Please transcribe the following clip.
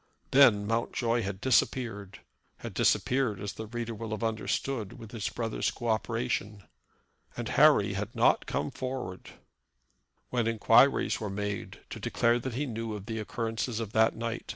Then Mountjoy had disappeared, had disappeared, as the reader will have understood, with his brother's co operation, and Harry had not come forward, when inquiries were made, to declare what he knew of the occurrences of that night.